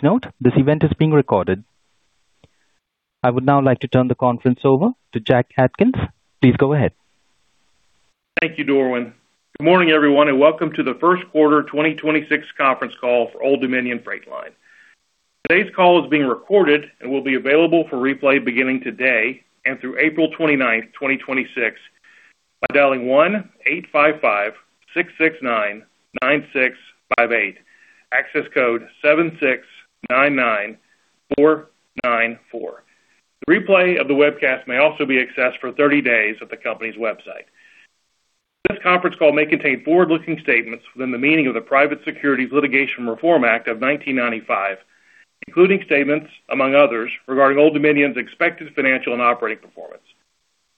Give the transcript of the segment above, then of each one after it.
Please note, this event is being recorded. I would now like to turn the conference over to Jack Atkins. Please go ahead. Thank you, Darwin. Good morning, everyone, and welcome to the Q1 2026 conference call for Old Dominion Freight Line. Today's call is been recorded and will be available for replay beginning today until April 29, 2026. By dialing 1855-669-9658, access code 76-99-494. Replay of the webcast may also be accessed for 30 days at the company's website. This conference call may contain forward-looking statements within the meaning of the Private Securities Litigation Reform Act of 1995, including statements, among others, regarding Old Dominion's expected financial and operating performance.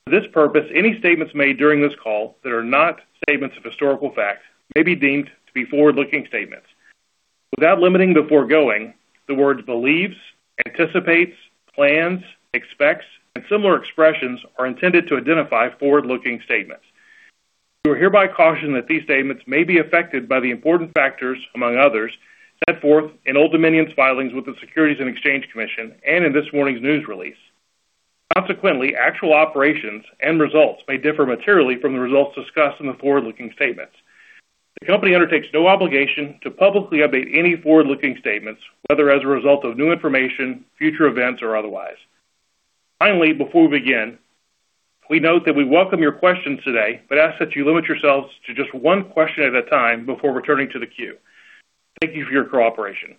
For this purpose, any statements made during this call that are not statements of historical fact may be deemed to be forward-looking statements. Without limiting the foregoing, the words believes, anticipates, plans, expects, and similar expressions are intended to identify forward-looking statements. You are hereby cautioned that these statements may be affected by the important factors, among others, set forth in Old Dominion's filings with the Securities and Exchange Commission and in this morning's news release. Consequently, actual operations and results may differ materially from the results discussed in the forward-looking statements. The company undertakes no obligation to publicly update any forward-looking statements, whether as a result of new information, future events, or otherwise. Finally, before we begin, we note that we welcome your questions today, but ask that you limit yourselves to just one question at a time before returning to the queue. Thank you for your cooperation.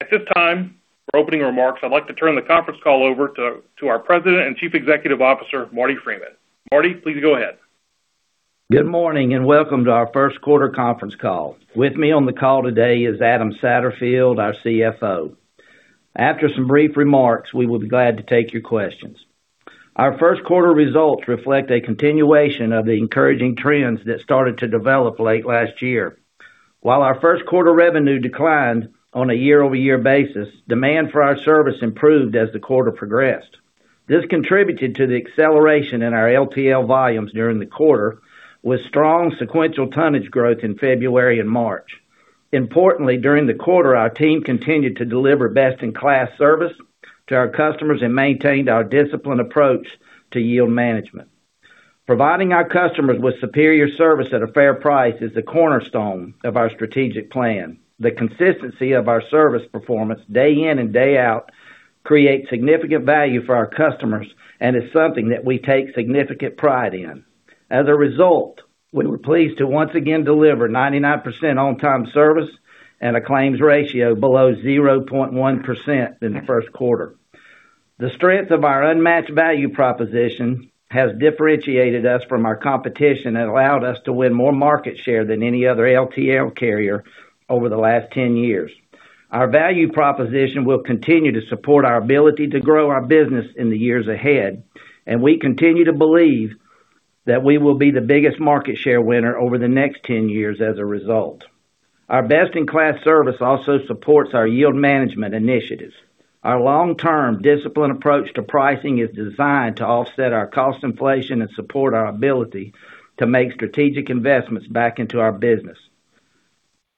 At this time, for opening remarks, I'd like to turn the conference call over to our President and Chief Executive Officer, Marty Freeman. Marty, please go ahead. Good morning. Welcome to our Q1 quarter conference call. With me on the call today is Adam Satterfield, our CFO. After some brief remarks, we will be glad to take your questions. Our Q1 results reflect a continuation of the encouraging trends that started to develop late last year. While our Q1 revenue declined on a year-over-year basis, demand for our service improved as the quarter progressed. This contributed to the acceleration in our LTL volumes during the quarter, with strong sequential tonnage growth in February and March. Importantly, during the quarter, our team continued to deliver best-in-class service to our customers and maintained our disciplined approach to yield management. Providing our customers with superior service at a fair price is the cornerstone of our strategic plan. The consistency of our service performance day in and day out creates significant value for our customers and is something that we take significant pride in. As a result, we were pleased to once again deliver 99% on-time service and a claims ratio below 0.1% in the Q1. The strength of our unmatched value proposition has differentiated us from our competition and allowed us to win more market share than any other LTL carrier over the last 10 years. Our value proposition will continue to support our ability to grow our business in the years ahead, and we continue to believe that we will be the biggest market share winner over the next 10 years as a result. Our best-in-class service also supports our yield management initiatives. Our long-term disciplined approach to pricing is designed to offset our cost inflation and support our ability to make strategic investments back into our business.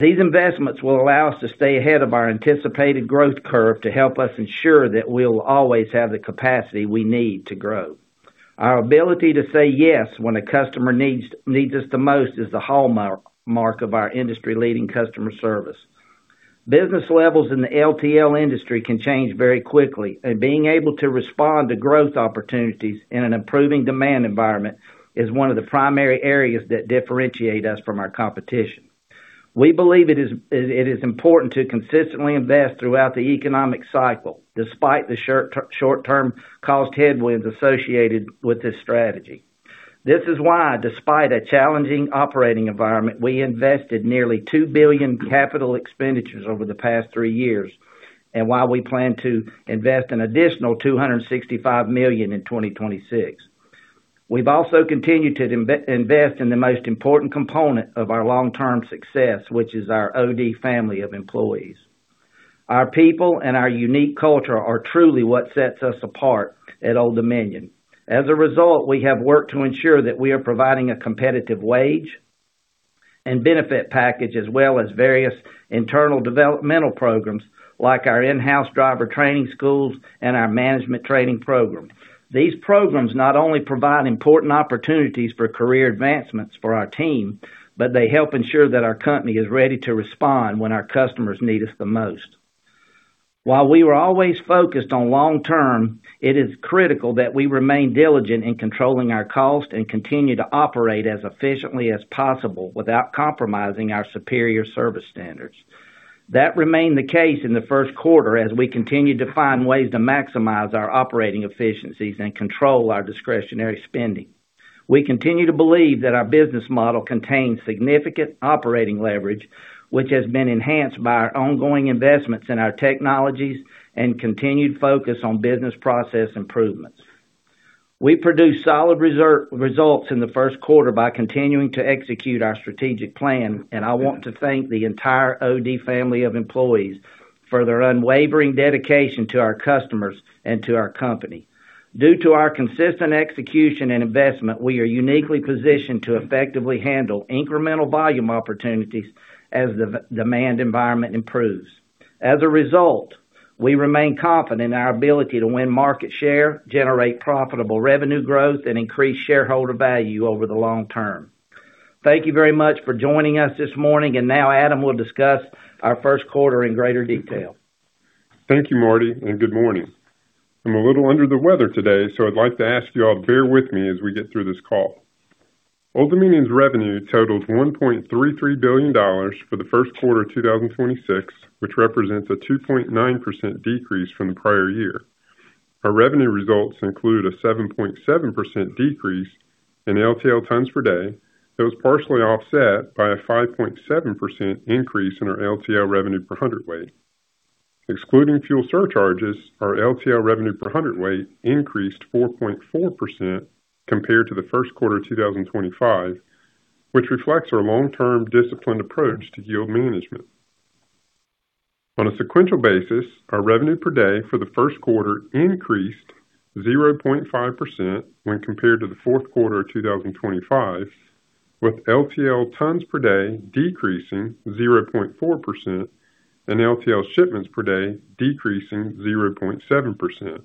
These investments will allow us to stay ahead of our anticipated growth curve to help us ensure that we'll always have the capacity we need to grow. Our ability to say yes when a customer needs us the most is the hallmark of our industry-leading customer service. Business levels in the LTL industry can change very quickly, and being able to respond to growth opportunities in an improving demand environment is one of the primary areas that differentiate us from our competition. We believe it is important to consistently invest throughout the economic cycle, despite the short-term cost headwinds associated with this strategy. This is why, despite a challenging operating environment, we invested nearly $2 billion capital expenditures over the past three years, and why we plan to invest an additional $265 million in 2026. We've also continued to invest in the most important component of our long-term success, which is our OD family of employees. Our people and our unique culture are truly what sets us apart at Old Dominion. As a result, we have worked to ensure that we are providing a competitive wage and benefit package as well as various internal developmental programs like our in-house driver training schools and our management training program. These programs not only provide important opportunities for career advancements for our team, but they help ensure that our company is ready to respond when our customers need us the most. While we were always focused on long term, it is critical that we remain diligent in controlling our cost and continue to operate as efficiently as possible without compromising our superior service standards. That remained the case in the Q1 as we continued to find ways to maximize our operating efficiencies and control our discretionary spending. We continue to believe that our business model contains significant operating leverage, which has been enhanced by our ongoing investments in our technologies and continued focus on business process improvements. We produced solid results in the Q1 by continuing to execute our strategic plan, and I want to thank the entire OD family of employees for their unwavering dedication to our customers and to our company. Due to our consistent execution and investment, we are uniquely positioned to effectively handle incremental volume opportunities as the demand environment improves. As a result, we remain confident in our ability to win market share, generate profitable revenue growth, and increase shareholder value over the long term. Thank you very much for joining us this morning. Now Adam will discuss our Q1 in greater detail. Thank you, Marty. Good morning. I'm a little under the weather today. I'd like to ask you all to bear with me as we get through this call. Old Dominion's revenue totaled $1.33 billion for the Q1 of 2026, which represents a 2.9% decrease from the prior year. Our revenue results include a 7.7% decrease in LTL tons per day. That was partially offset by a 5.7% increase in our LTL revenue per hundredweight. Excluding fuel surcharges, our LTL revenue per hundredweight increased 4.4% compared to the Q1 of 2025, which reflects our long-term disciplined approach to yield management. On a sequential basis, our revenue per day for the Q1 increased 0.5% when compared to the Q4 of 2025, with LTL tons per day decreasing 0.4% and LTL shipments per day decreasing 0.7%.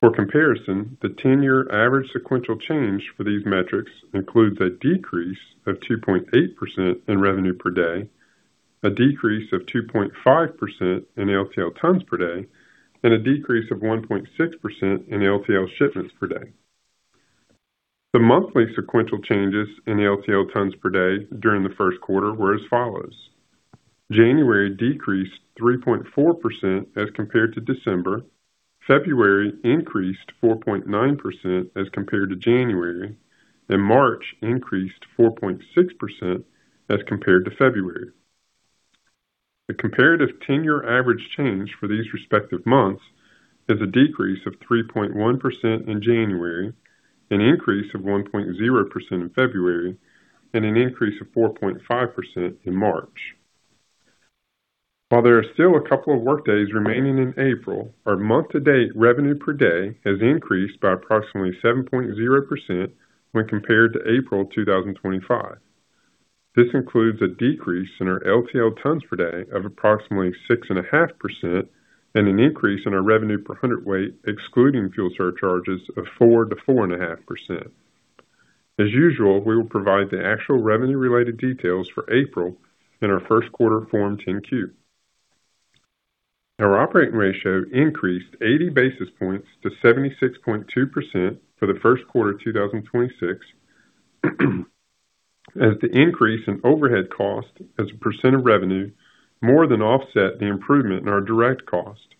For comparison, the 10-year average sequential change for these metrics includes a decrease of 2.8% in revenue per day, a decrease of 2.5% in LTL tons per day, and a decrease of 1.6% in LTL shipments per day. The monthly sequential changes in LTL tons per day during the Q1 were as follows: January decreased 3.4% as compared to December, February increased 4.9% as compared to January, and March increased 4.6% as compared to February. The comparative ten-year average change for these respective months is a decrease of 3.1% in January, an increase of 1.0% in February, and an increase of 4.5% in March. While there are still a couple of workdays remaining in April, our month to date revenue per day has increased by approximately 7.0% when compared to April 2025. This includes a decrease in our LTL tons per day of approximately 6.5% and an increase in our revenue per hundredweight, excluding fuel surcharges of 4%-4.5%. As usual, we will provide the actual revenue related details for April in our Q1 Form 10-Q. Our operating ratio increased 80 basis points to 76.2% for the Q1 of 2026 as the increase in overhead cost as a percent of revenue more than offset the improvement in our direct cost.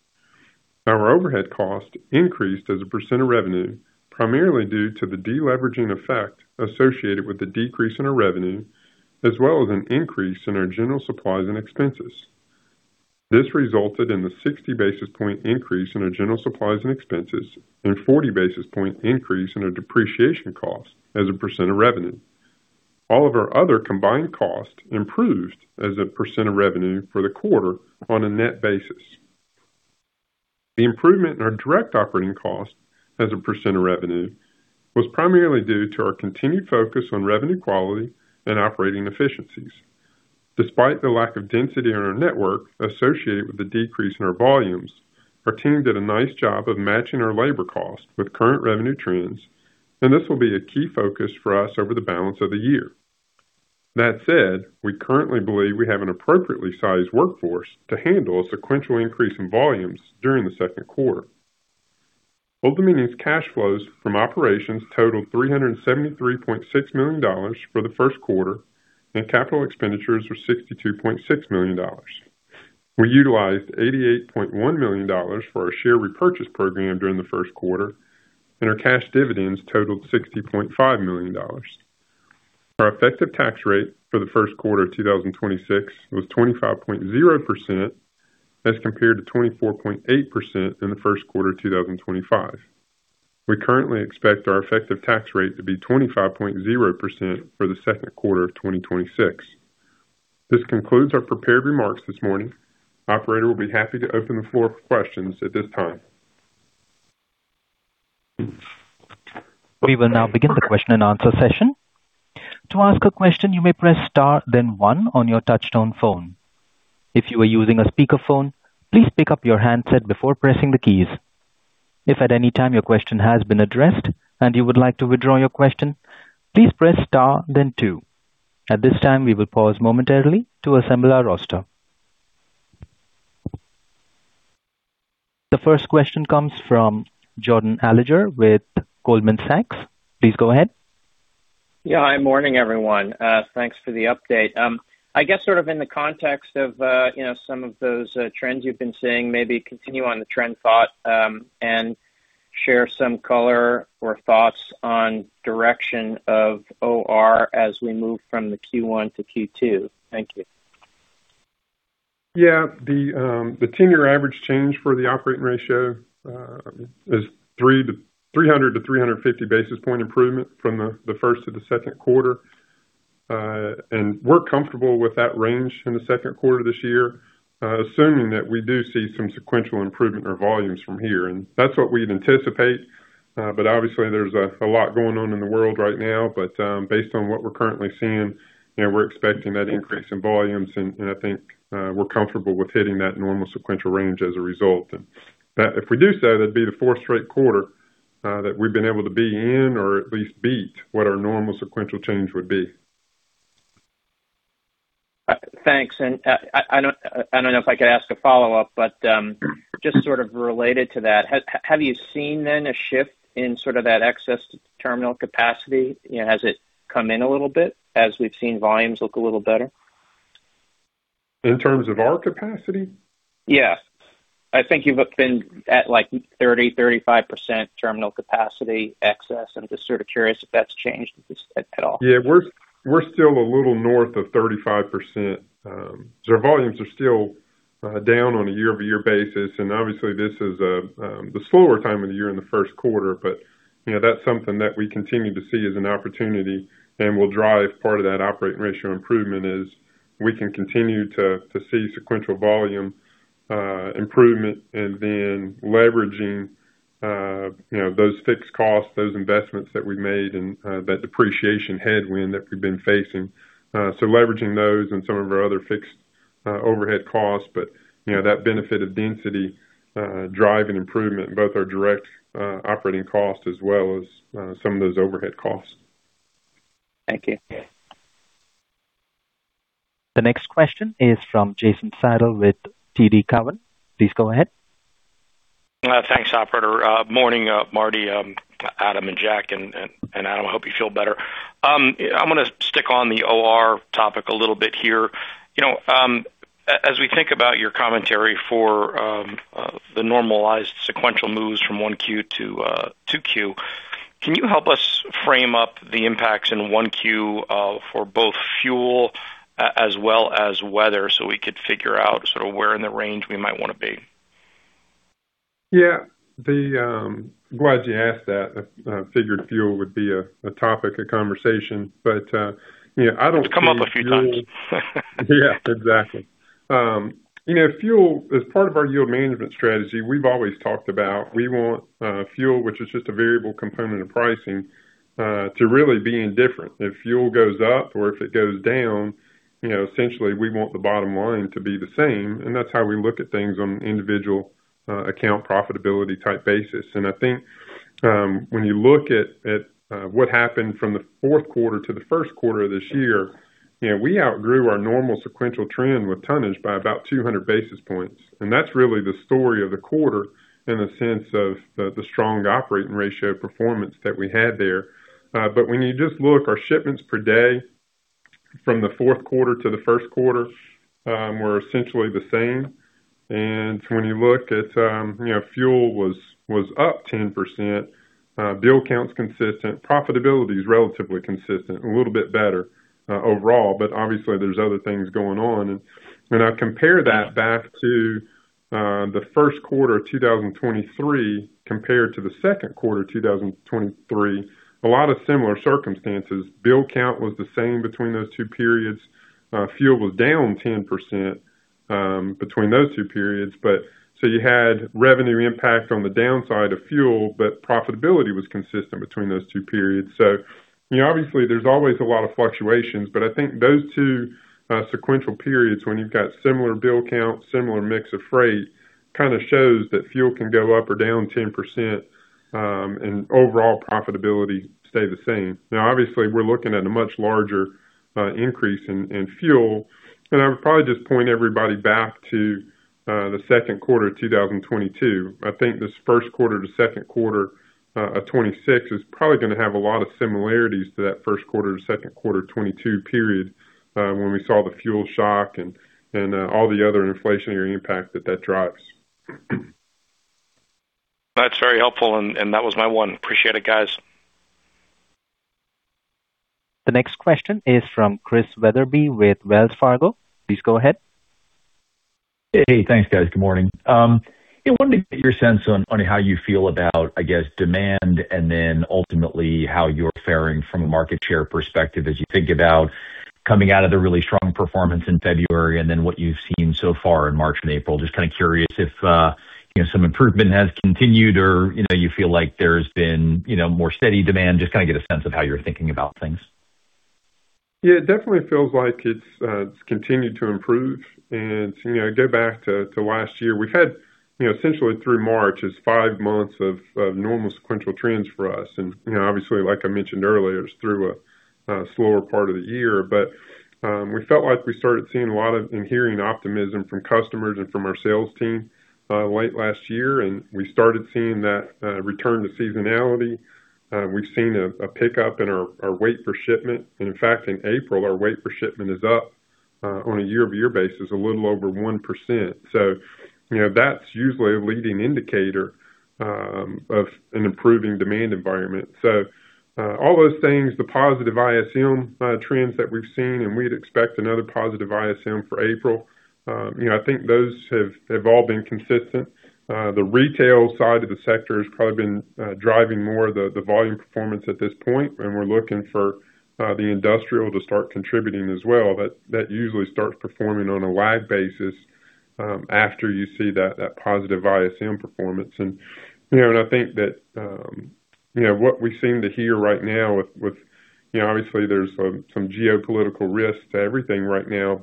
Our overhead cost increased as a percent of revenue, primarily due to the deleveraging effect associated with the decrease in our revenue, as well as an increase in our general supplies and expenses. This resulted in the 60 basis point increase in our general supplies and expenses and a 40 basis point increase in our depreciation cost as a percent of revenue. All of our other combined costs improved as a percent of revenue for the quarter on a net basis. The improvement in our direct operating cost as a percent of revenue was primarily due to our continued focus on revenue quality and operating efficiencies. Despite the lack of density in our network associated with the decrease in our volumes, our team did a nice job of matching our labor costs with current revenue trends, and this will be a key focus for us over the balance of the year. That said, we currently believe we have an appropriately sized workforce to handle a sequential increase in volumes during the Q2. Old Dominion's cash flows from operations totaled $373.6 million for the Q1, and capital expenditures were $62.6 million. We utilized $88.1 million for our share repurchase program during the Q1, and our cash dividends totaled $60.5 million. Our effective tax rate for the Q1 of 2026 was 25.0% as compared to 24.8% in the Q1 of 2025. We currently expect our effective tax rate to be 25.0% for the Q2 of 2026. This concludes our prepared remarks this morning. Operator, we'll be happy to open the floor for questions at this time. We will now begin the question and answer section. To ask a question you may press star then one on your touch tone phone. If you are using a speaker phone, please pick up your handset before pressing the keys. If at anytime your question has been addressed and you would like to withdraw your question, please press star then two. At this time we would pause momentarily to assemble our roster. The first question comes from Jordan Alliger with Goldman Sachs. Please go ahead. Yeah. Morning, everyone. Thanks for the update. I guess sort of in the context of, you know, some of those trends you've been seeing, maybe continue on the trend thought, and share some color or thoughts on direction of OR as we move from the Q1 to Q2. Thank you. The 10-year average change for the operating ratio is 300 to 350 basis point improvement from the first to the second quarter. We're comfortable with that range in the Q2 this year, assuming that we do see some sequential improvement in our volumes from here. That's what we'd anticipate. Obviously there's a lot going on in the world right now. Based on what we're currently seeing, you know, we're expecting that increase in volumes and I think we're comfortable with hitting that normal sequential range as a result. If we do so, that'd be the 4th straight quarter. That we've been able to be in or at least beat what our normal sequential change would be. Thanks. I don't, I don't know if I could ask a follow-up, just sort of related to that, have you seen a shift in sort of that excess terminal capacity? You know, has it come in a little bit as we've seen volumes look a little better? In terms of our capacity? Yes. I think you've been at, like, 30%-35% terminal capacity excess, I'm just sort of curious if that's changed at all. Yeah. We're still a little north of 35%. Our volumes are still down on a year-over-year basis, and obviously this is the slower time of the year in the Q1. You know, that's something that we continue to see as an opportunity and will drive part of that operating ratio improvement is we can continue to see sequential volume improvement and then leveraging, you know, those fixed costs, those investments that we made and that depreciation headwind that we've been facing. Leveraging those and some of our other fixed overhead costs. You know, that benefit of density driving improvement in both our direct operating costs as well as some of those overhead costs. Thank you. The next question is from Jason Seidl with TD Cowen. Please go ahead. Thanks, operator. Morning, Marty, Adam, and Jack. Adam, I hope you feel better. I'm gonna stick on the OR topic a little bit here. You know, as we think about your commentary for the normalized sequential moves from Q1 to Q2, can you help us frame up the impacts in Q1 for both fuel as well as weather so we could figure out sort of where in the range we might wanna be? Yeah. I'm glad you asked that. I figured fuel would be a topic of conversation. you know, I don't see fuel. It's come up a few times. Yeah, exactly. You know, fuel is part of our yield management strategy. We've always talked about we want fuel, which is just a variable component of pricing, to really be indifferent. If fuel goes up or if it goes down, you know, essentially we want the bottom line to be the same, and that's how we look at things on an individual account profitability type basis. I think when you look at what happened from the Q4 to the Q1 of this year, you know, we outgrew our normal sequential trend with tonnage by about 200 basis points. That's really the story of the quarter in the sense of the strong operating ratio performance that we had there. When you just look, our shipments per day from the Q4 to the Q1 were essentially the same. When you look at, you know, fuel was up 10%, bill count's consistent, profitability is relatively consistent, a little bit better overall, but obviously there's other things going on. When I compare that back to the Q1 2023 compared to the Q2 2023, a lot of similar circumstances. Bill count was the same between those two periods. Fuel was down 10% between those two periods, so you had revenue impact on the downside of fuel, but profitability was consistent between those two periods. you know, obviously there's always a lot of fluctuations, but I think those two sequential periods, when you've got similar bill count, similar mix of freight, kinda shows that fuel can go up or down 10%, and overall profitability stay the same. Now, obviously, we're looking at a much larger increase in fuel. I would probably just point everybody back to the Q2 of 2022. I think this Q1 to Q2 of 2026 is probably gonna have a lot of similarities to that Q1 to Q2 2022 period, when we saw the fuel shock and all the other inflationary impact that that drives. That's very helpful. That was my one. Appreciate it, guys. The next question is from Chris Wetherbee with Wells Fargo. Please go ahead. Hey. Thanks, guys. Good morning. Wanted to get your sense on how you feel about, I guess, demand and then ultimately how you're faring from a market share perspective as you think about coming out of the really strong performance in February and then what you've seen so far in March and April. Just kinda curious if, you know, some improvement has continued or, you know, you feel like there's been, you know, more steady demand. Just kinda get a sense of how you're thinking about things. Yeah, it definitely feels like it's continued to improve. To, you know, go back to last year, we had, you know, essentially through March is five months of normal sequential trends for us. We felt like we started seeing a lot of, and hearing optimism from customers and from our sales team late last year, and we started seeing that return to seasonality. We've seen a pickup in our weight per shipment. In fact, in April, our weight per shipment is up on a year-over-year basis a little over 1%. You know, that's usually a leading indicator of an improving demand environment. All those things, the positive ISM trends that we've seen, and we'd expect another positive ISM for April. You know, I think those have all been consistent. The retail side of the sector has probably been driving more of the volume performance at this point, and we're looking for the industrial to start contributing as well. That usually starts performing on a lag basis, after you see that positive ISM performance. You know, I think that, you know, what we seem to hear right now. You know, obviously there's some geopolitical risk to everything right now.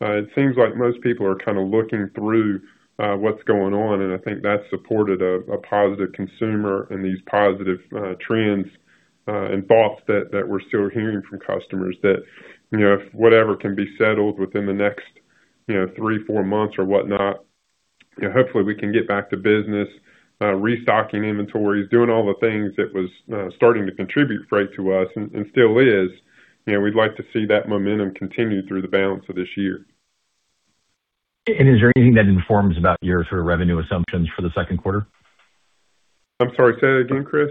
It seems like most people are kind of looking through what's going on, and I think that supported a positive consumer and these positive trends and thoughts that we're still hearing from customers that, you know, if whatever can be settled within the next, you know, three, four months or whatnot, you know, hopefully we can get back to business, restocking inventories, doing all the things that was starting to contribute freight to us and still is. You know, we'd like to see that momentum continue through the balance of this year. Is there anything that informs about your sort of revenue assumptions for the Q2? I'm sorry, say that again, Chris.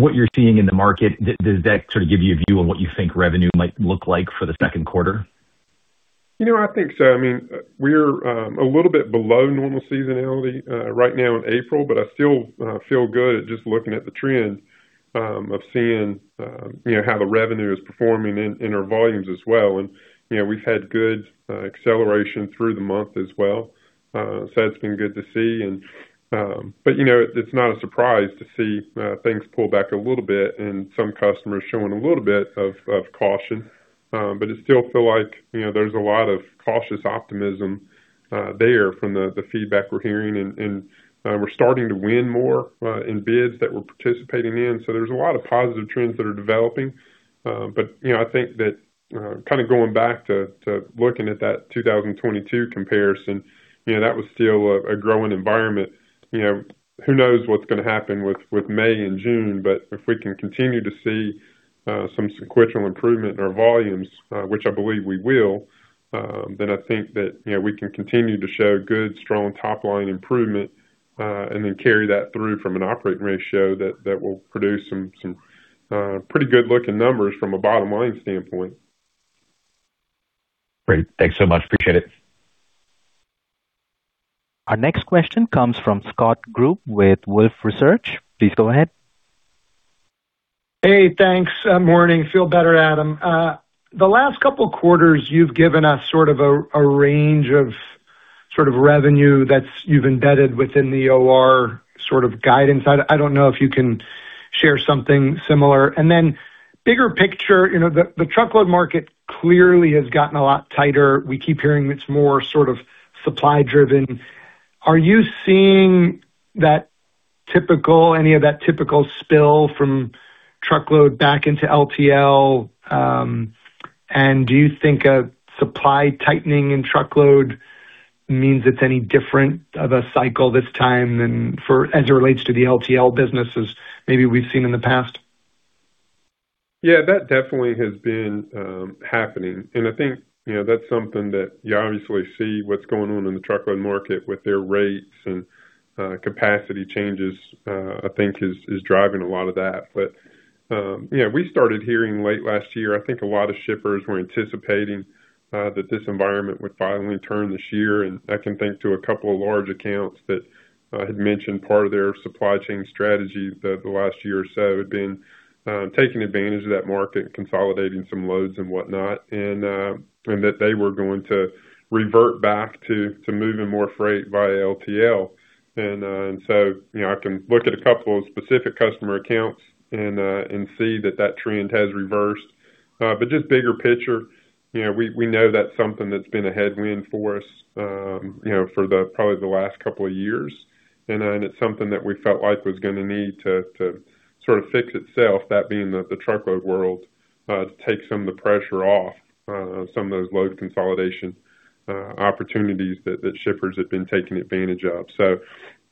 What you're seeing in the market, does that sort of give you a view on what you think revenue might look like for the Q2? You know, I think so. I mean, we're a little bit below normal seasonality right now in April, I still feel good just looking at the trends of seeing, you know, how the revenue is performing in our volumes as well. You know, we've had good acceleration through the month as well. That's been good to see. You know, it's not a surprise to see things pull back a little bit and some customers showing a little bit of caution. It still feel like, you know, there's a lot of cautious optimism there from the feedback we're hearing. We're starting to win more in bids that we're participating in. There's a lot of positive trends that are developing. You know, I think that, kinda going back to looking at that 2022 comparison, you know, that was still a growing environment. You know, who knows what's gonna happen with May and June. If we can continue to see some sequential improvement in our volumes, which I believe we will, then I think that, you know, we can continue to show good, strong top-line improvement, and then carry that through from an operating ratio that will produce some pretty good looking numbers from a bottom-line standpoint. Great. Thanks so much. Appreciate it. Our next question comes from Scott Group with Wolfe Research. Please go ahead. Hey, thanks. Morning. Feel better, Adam. The last couple quarters, you've given us sort of a range of sort of revenue that's you've embedded within the OR sort of guidance. I don't know if you can share something similar. Bigger picture, you know, the truckload market clearly has gotten a lot tighter. We keep hearing it's more sort of supply driven. Are you seeing any of that typical spill from truckload back into LTL? Do you think a supply tightening in truckload means it's any different of a cycle this time than for as it relates to the LTL businesses maybe we've seen in the past? Yeah, that definitely has been happening. I think, you know, that's something that you obviously see what's going on in the truckload market with their rates and capacity changes, I think is driving a lot of that. You know, we started hearing late last year, I think a lot of shippers were anticipating that this environment would finally turn this year. I can think to a couple of large accounts that had mentioned part of their supply chain strategy the last year or so had been taking advantage of that market, consolidating some loads and whatnot, and that they were going to revert back to moving more freight via LTL. So, you know, I can look at a couple of specific customer accounts and see that that trend has reversed. Just bigger picture, you know, we know that's something that's been a headwind for us, you know, for the probably the last couple of years. It's something that we felt like was gonna need to sort of fix itself, that being that the truckload world, to take some of the pressure off, some of those load consolidation, opportunities that shippers have been taking advantage of.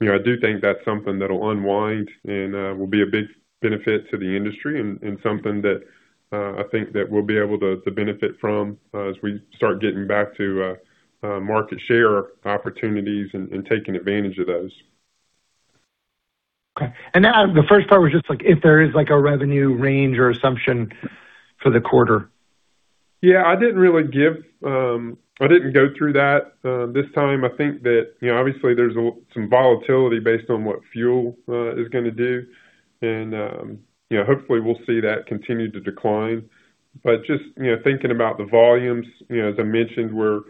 I do think that's something that'll unwind and will be a big benefit to the industry and something that I think that we'll be able to benefit from, as we start getting back to market share opportunities and taking advantage of those. Okay. Adam, the first part was just like if there is like a revenue range or assumption for the quarter? Yeah, I didn't really give, I didn't go through that this time. I think that, you know, obviously there's some volatility based on what fuel is gonna do. Hopefully, you know, we'll see that continue to decline. Just, you know, thinking about the volumes, you know, as I mentioned, we're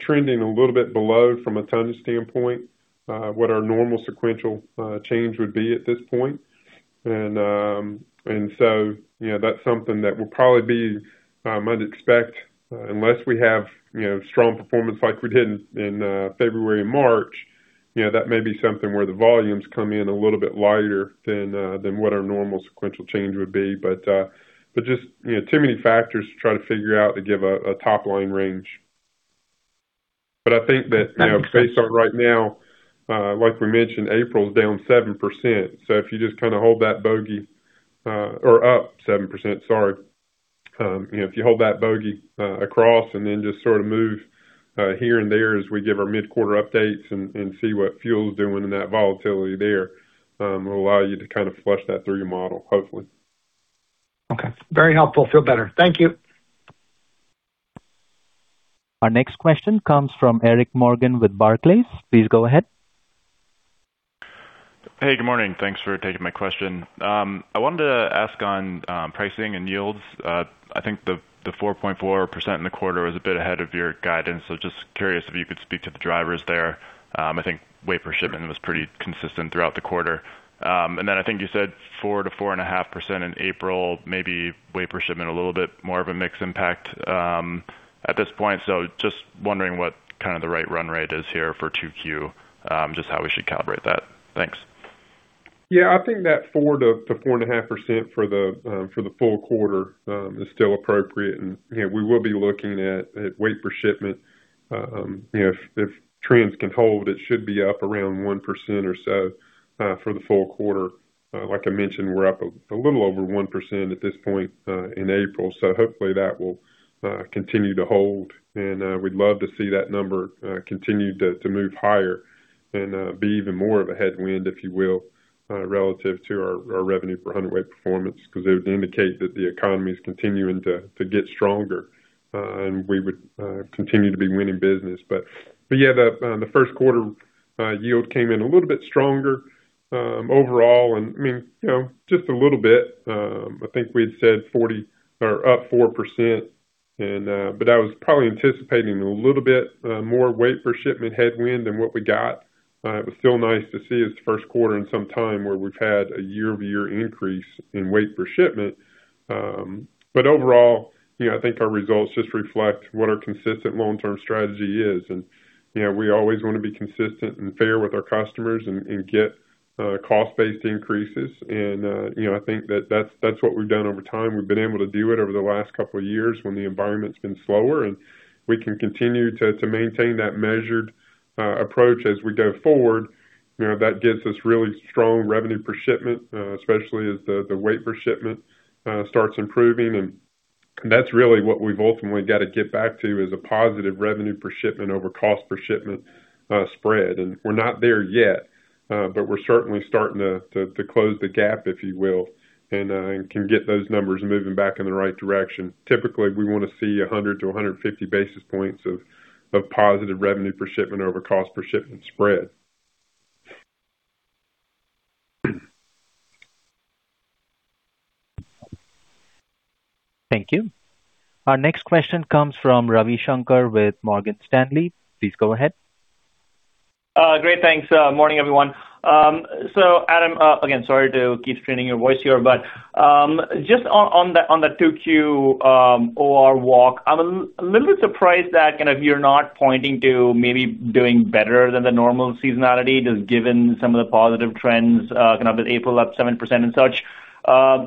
trending a little bit below from a ton standpoint, what our normal sequential change would be at this point. You know, that's something that will probably be, I'd expect, unless we have, you know, strong performance like we did in February and March, you know, that may be something where the volumes come in a little bit lighter than what our normal sequential change would be. Just, you know, too many factors to try to figure out to give a top-line range. I think that, you know, based on right now, like we mentioned, April's down 7%. If you just kinda hold that bogey, or up 7%, sorry. You know, if you hold that bogey across and then just sort of move here and there as we give our mid-quarter updates and see what fuel's doing and that volatility there, it'll allow you to kind of flush that through your model, hopefully. Okay. Very helpful. Feel better. Thank you. Our next question comes from Eric Morgan with Barclays. Please go ahead. Hey, good morning. Thanks for taking my question. I wanted to ask on pricing and yields. I think the 4.4% in the quarter was a bit ahead of your guidance. Just curious if you could speak to the drivers there. I think weight per shipment was pretty consistent throughout the quarter. I think you said 4%-4.5% in April, maybe weight per shipment a little bit more of a mix impact at this point. Just wondering what kinda the right run rate is here for 2Q, just how we should calibrate that. Thanks. I think that 4%-4.5% for the full quarter is still appropriate. You know, we will be looking at weight per shipment. You know, if trends can hold, it should be up around 1% or so for the full quarter. Like I mentioned, we're up a little over 1% at this point in April, so hopefully that will continue to hold. We'd love to see that number continue to move higher and be even more of a headwind, if you will, relative to our revenue per hundredweight performance, because it would indicate that the economy is continuing to get stronger, and we would continue to be winning business. The Q1 yield came in a little bit stronger overall. I mean, you know, just a little bit. I think we had said up 4% and that was probably anticipating a little bit more weight per shipment headwind than what we got. It was still nice to see it's the Q1 in some time where we've had a year-over-year increase in weight per shipment. Overall, you know, I think our results just reflect what our consistent long-term strategy is. You know, we always want to be consistent and fair with our customers and get cost-based increases. You know, I think that's what we've done over time. We've been able to do it over the last couple of years when the environment's been slower, and we can continue to maintain that measured approach as we go forward. You know, that gets us really strong revenue per shipment, especially as the weight per shipment starts improving. That's really what we've ultimately got to get back to, is a positive revenue per shipment over cost per shipment spread. We're not there yet, but we're certainly starting to close the gap, if you will, and can get those numbers moving back in the right direction. Typically, we want to see 100 to 150 basis points of positive revenue per shipment over cost per shipment spread. Thank you. Our next question comes from Ravi Shanker with Morgan Stanley. Please go ahead. Great. Thanks. Morning, everyone. Adam, again, sorry to keep straining your voice here, but just on the, on the 2Q OR walk, I'm a little bit surprised that kind of you're not pointing to maybe doing better than the normal seasonality, just given some of the positive trends, kind of with April up 7% and such.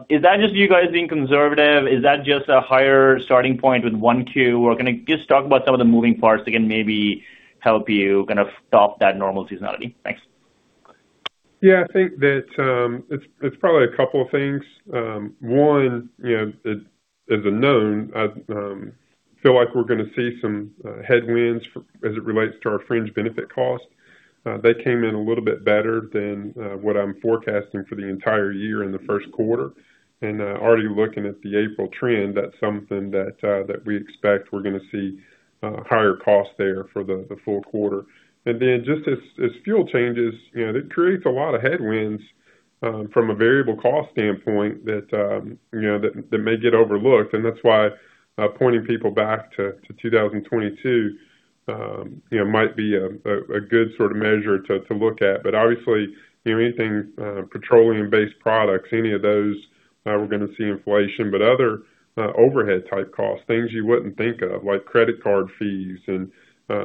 Is that just you guys being conservative? Is that just a higher starting point with 1Q? Can you just talk about some of the moving parts that can maybe help you kind of stop that normal seasonality? Thanks. Yeah. I think that, it's probably a couple of things. One, you know, it is a known, feel like we're gonna see some headwinds as it relates to our fringe benefit costs. They came in a little bit better than what I'm forecasting for the entire year in the Q1. Already looking at the April trend, that's something that we expect we're gonna see higher costs there for the full quarter. Then just as fuel changes, you know, that creates a lot of headwinds from a variable cost standpoint that, you know, that may get overlooked. That's why pointing people back to 2022, you know, might be a good sort of measure to look at. Obviously, you know, anything, petroleum-based products, any of those, we're gonna see inflation. Other, overhead type costs, things you wouldn't think of like credit card fees and,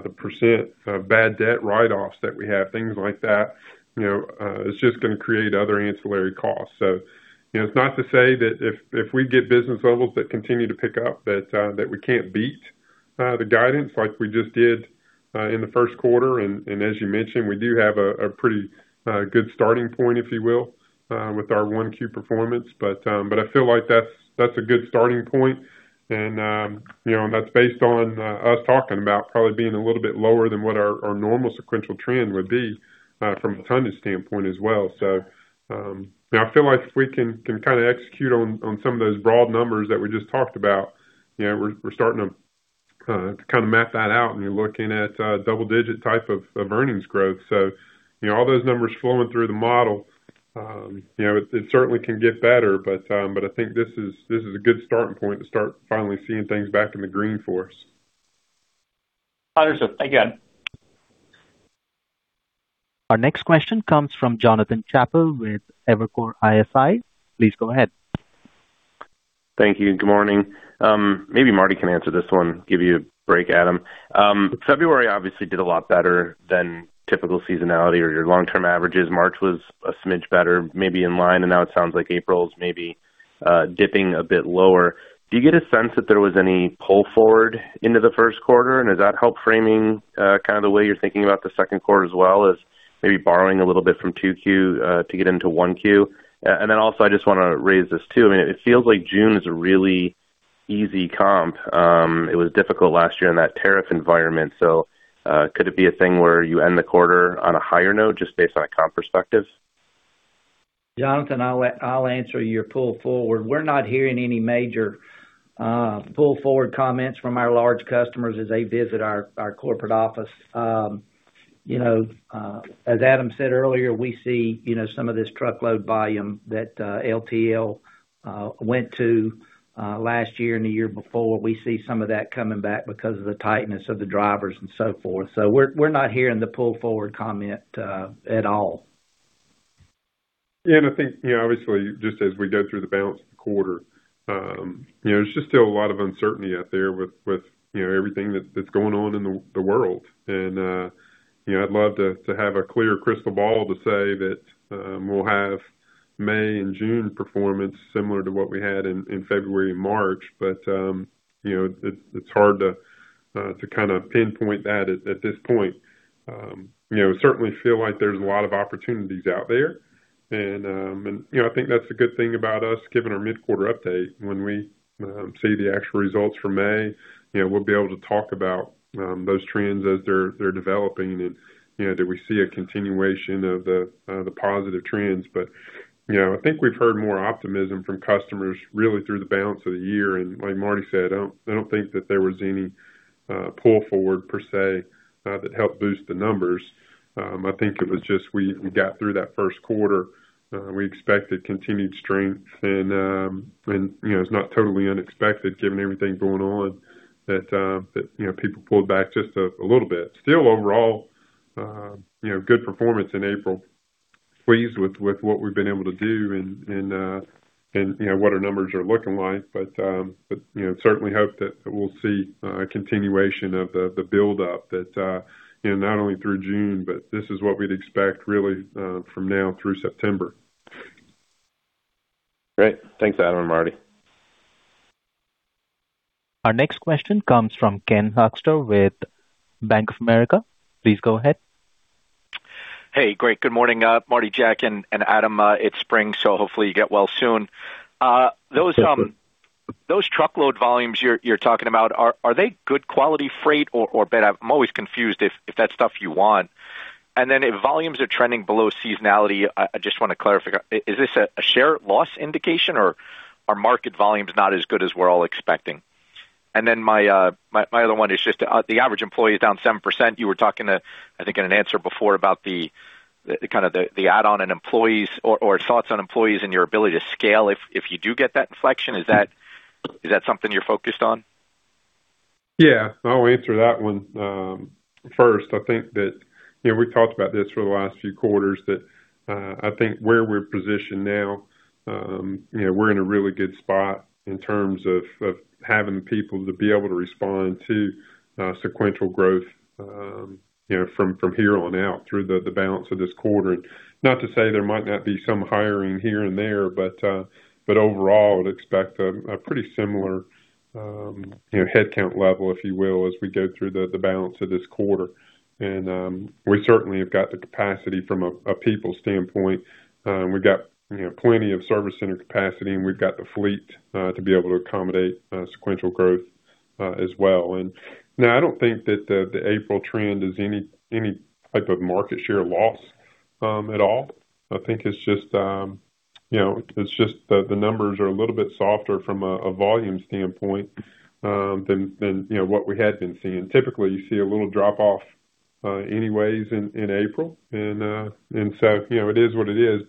the percent of bad debt write-offs that we have, things like that, you know, it's just gonna create other ancillary costs. You know, it's not to say that if we get business levels that continue to pick up that we can't beat, the guidance like we just did, in the Q1. As you mentioned, we do have a pretty, good starting point, if you will, with our one Q performance. I feel like that's a good starting point and, you know, that's based on us talking about probably being a little bit lower than what our normal sequential trend would be from a tonnage standpoint as well. You know, I feel like if we can kind of execute on some of those broad numbers that we just talked about, you know, we're starting to kind of map that out and you're looking at double-digit type of earnings growth. You know, all those numbers flowing through the model, you know, it certainly can get better, but I think this is a good starting point to start finally seeing things back in the green for us. Understood. Thank you, Adam. Our next question comes from Jonathan Chappell with Evercore ISI. Please go ahead. Thank you. Good morning. Maybe Marty can answer this one, give you a break, Adam. February obviously did a lot better than typical seasonality or your long-term averages. March was a smidge better, maybe in line, now it sounds like April is maybe dipping a bit lower. Do you get a sense that there was any pull forward into the Q1? Does that help framing kind of the way you're thinking about the Q2 as well as maybe borrowing a little bit from 2Q to get into 1Q? Also, I just wanna raise this too. I mean, it feels like June is a really easy comp. It was difficult last year in that tariff environment. Could it be a thing where you end the quarter on a higher note just based on a comp perspective? Jonathan, I'll answer your pull forward. We're not hearing any major pull forward comments from our large customers as they visit our corporate office. You know, as Adam said earlier, we see, you know, some of this truckload volume that LTL went to last year and the year before. We see some of that coming back because of the tightness of the drivers and so forth. We're not hearing the pull forward comment at all. Yeah. I think, you know, obviously, just as we go through the balance of the quarter, you know, there's just still a lot of uncertainty out there with, you know, everything that's going on in the world. You know, I'd love to have a clear crystal ball to say that we'll have May and June performance similar to what we had in February and March. You know, it's hard to kind of pinpoint that at this point. You know, certainly feel like there's a lot of opportunities out there. You know, I think that's the good thing about us giving our mid-quarter update. When we, you know, see the actual results for May, you know, we'll be able to talk about, those trends as they're developing and, you know, do we see a continuation of the positive trends. I think we've heard more optimism from customers really through the balance of the year. Like Marty said, I don't think that there was any pull forward per se, that helped boost the numbers. I think it was just we got through that Q1. We expected continued strength and, you know, it's not totally unexpected given everything going on that, you know, people pulled back just a little bit. Still overall, you know, good performance in April. Pleased with what we've been able to do and, you know, what our numbers are looking like. You know, certainly hope that we'll see a continuation of the buildup that, you know, not only through June, but this is what we'd expect really, from now through September. Great. Thanks, Adam and Marty. Our next question comes from Ken Hoexter with Bank of America. Please go ahead. Hey, great. Good morning, Marty, Jack, and Adam. It's spring, hopefully you get well soon. You too. Those truckload volumes you're talking about, are they good quality freight or bad? I'm always confused if that's stuff you want. If volumes are trending below seasonality, I just wanna clarify, is this a share loss indication or are market volumes not as good as we're all expecting? My other one is just, the average employee is down 7%. You were talking to, I think in an answer before about the kind of the add-on in employees or thoughts on employees and your ability to scale if you do get that inflection. Is that something you're focused on? Yeah. I'll answer that one. First, I think that, you know, we talked about this for the last few quarters that, I think where we're positioned now, you know, we're in a really good spot in terms of having people to be able to respond to sequential growth, you know, from here on out through the balance of this quarter. Not to say there might not be some hiring here and there, but overall, I'd expect a pretty similar, you know, headcount level, if you will, as we go through the balance of this quarter. We certainly have got the capacity from a people standpoint. We've got, you know, plenty of service center capacity, and we've got the fleet to be able to accommodate sequential growth as well. Now I don't think that the April trend is any type of market share loss at all. I think it's just, you know, it's just the numbers are a little bit softer from a volume standpoint than, you know, what we had been seeing. Typically, you see a little drop-off anyways in April. You know, it is what it is.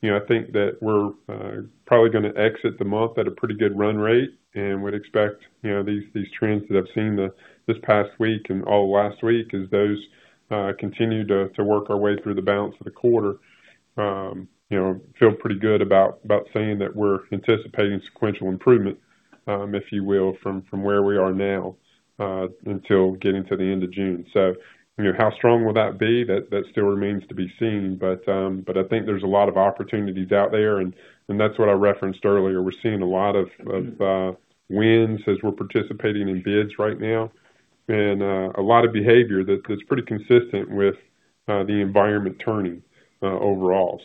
You know, I think that we're probably gonna exit the month at a pretty good run rate and would expect, you know, these trends that I've seen this past week and all last week as those continue to work our way through the balance of the quarter. You know, feel pretty good about saying that we're anticipating sequential improvement, if you will, from where we are now, until getting to the end of June. You know, how strong will that be? That still remains to be seen. I think there's a lot of opportunities out there, and that's what I referenced earlier. We're seeing a lot of wins as we're participating in bids right now and a lot of behavior that's pretty consistent with the environment turning overall.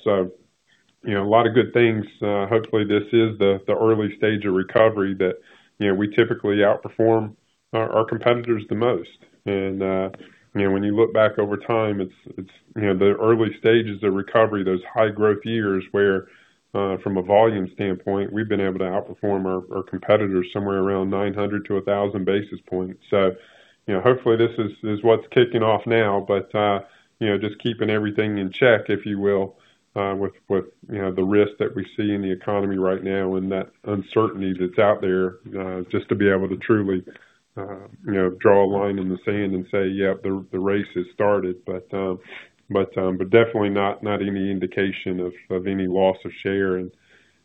You know, a lot of good things. Hopefully, this is the early stage of recovery that, you know, we typically outperform our competitors the most. You know, when you look back over time, it's, you know, the early stages of recovery, those high growth years where, from a volume standpoint, we've been able to outperform our competitors somewhere around 900 to 1,000 basis points. You know, hopefully, this is what's kicking off now. You know, just keeping everything in check, if you will, with, you know, the risk that we see in the economy right now and that uncertainty that's out there, just to be able to truly, you know, draw a line in the sand and say, "Yep, the race has started." Definitely not any indication of any loss of share.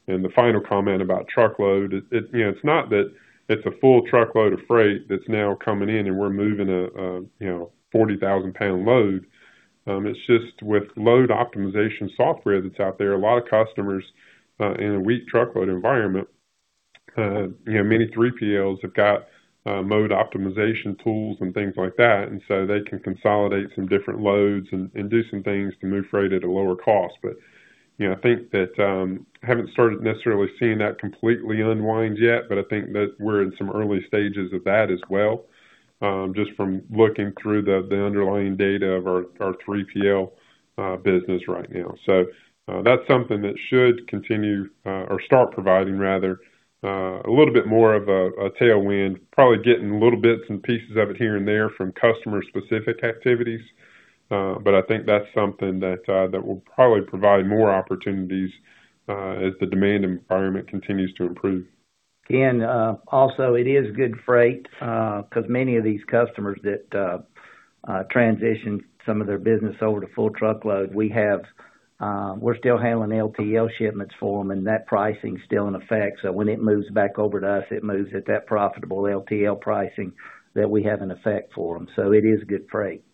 The final comment about truckload, you know, it's not that it's a full truckload of freight that's now coming in and we're moving a, you know, 40,000 pound load. It's just with load optimization software that's out there, a lot of customers, in a weak truckload environment, you know, many 3PLs have got mode optimization tools and things like that, so they can consolidate some different loads and do some things to move freight at a lower cost. You know, I think that haven't started necessarily seeing that completely unwind yet, but I think that we're in some early stages of that as well, just from looking through the underlying data of our 3PL business right now. That's something that should continue, or start providing rather, a little bit more of a tailwind. Probably getting little bits and pieces of it here and there from customer-specific activities. I think that's something that will probably provide more opportunities, as the demand environment continues to improve. Ken, also it is good freight, 'cause many of these customers that transition some of their business over to full truckload, we're still handling LTL shipments for them, and that pricing is still in effect. When it moves back over to us, it moves at that profitable LTL pricing that we have in effect for them. It is good freight.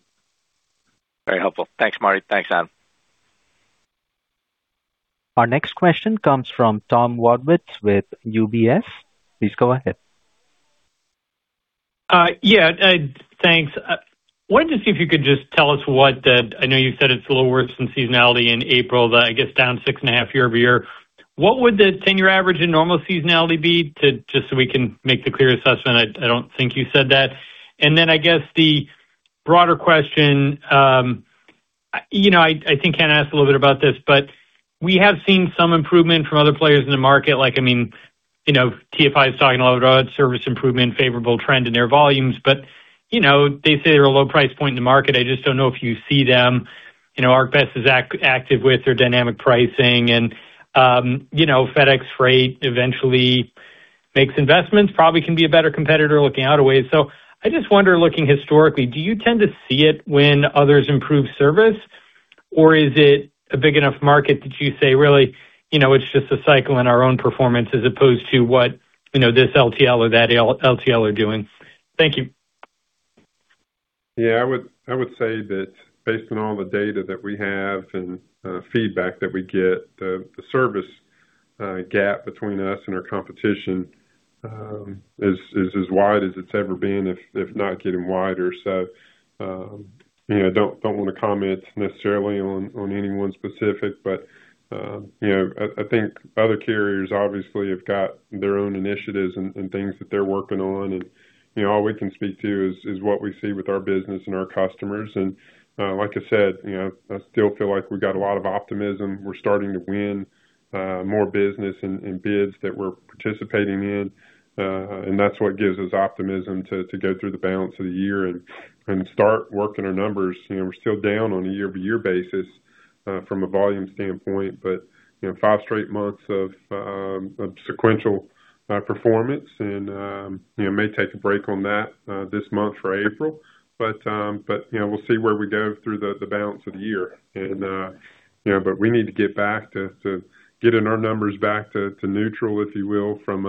Very helpful. Thanks, Marty. Thanks, Adam. Our next question comes from Tom Wadewitz with UBS. Please go ahead. Thanks. Wanted to see if you could just tell us. I know you said it's a little worse than seasonality in April that it gets down 6.5% year-over-year. What would the 10-year average in normal seasonality be to just so we can make the clear assessment? I don't think you said that. I guess the broader question, you know, I think Ken asked a little bit about this. We have seen some improvement from other players in the market. Like, I mean, you know, TFI is talking a lot about service improvement, favorable trend in their volumes. You know, they say they're a low price point in the market. I just don't know if you see them. You know, ArcBest is active with their dynamic pricing and, you know, FedEx Freight eventually makes investments, probably can be a better competitor looking out a way. I just wonder, looking historically, do you tend to see it when others improve service, or is it a big enough market that you say, really, you know, it's just a cycle in our own performance as opposed to what, you know, this LTL or that LTL are doing? Thank you. Yeah, I would say that based on all the data that we have and feedback that we get, the service gap between us and our competition is as wide as it's ever been, if not getting wider. You know, don't want to comment necessarily on any one specific. You know, I think other carriers obviously have got their own initiatives and things that they're working on. You know, all we can speak to is what we see with our business and our customers. Like I said, you know, I still feel like we got a lot of optimism. We're starting to win more business in bids that we're participating in. That's what gives us optimism to go through the balance of the year and start working our numbers. You know, we're still down on a year-by-year basis from a volume standpoint, but, you know, five straight months of sequential performance and, you know, may take a break on that this month for April. You know, we'll see where we go through the balance of the year. You know, but we need to get back to getting our numbers back to neutral, if you will, from